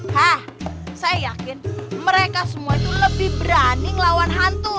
hah saya yakin mereka semua itu lebih berani melawan hantu